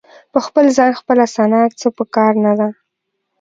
په خپل ځان خپله ثنا څه په کار نه ده.